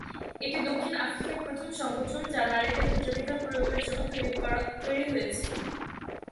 এটি দক্ষিণ আফ্রিকার প্রথম সংগঠন, যা নারীদের ভোটাধিকার প্রয়োগের জন্য তৈরি হয়েছিল।